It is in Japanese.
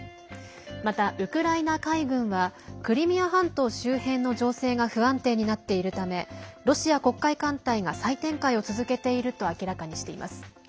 また、ウクライナ海軍はクリミア半島周辺の情勢が不安定になっているためロシア黒海艦隊が再展開を続けていると明らかにしています。